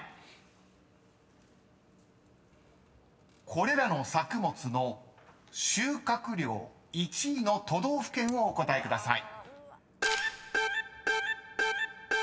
［これらの作物の収穫量１位の都道府県をお答えください］